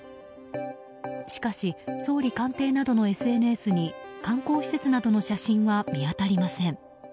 しかし、総理官邸などのＳＮＳに観光施設などの写真は見当たりません。